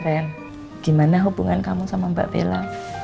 pengen gimana hubungan kamu sama mbak bella